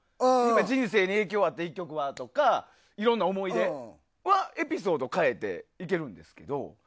人生に影響を与えた１曲は？とかいろんな思い出はエピソード変えていけるんですけど。